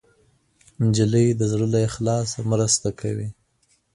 نجلۍ د زړه له اخلاصه مرسته کوي.